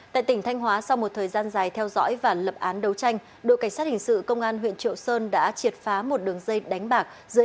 tại tỉnh thanh hóa sau một thời gian dài theo dõi và lập án đấu tranh đội cảnh sát hình sự công an huyện triệu sơn đã triệt phá một đường dây đánh bạc